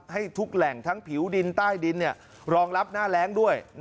ให้ทุกแหล่งทั้งผิวดินใต้ดินรองรับหน้าแรงด้วย